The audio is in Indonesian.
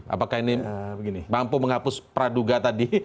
apakah ini mampu menghapus praduga tadi